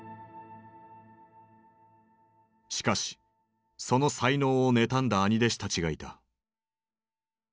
しかしその才能を妬んだ兄弟子たちがいた。